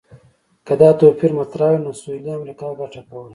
که دا توپیر مطرح وای، نو سویلي امریکا ګټه کوله.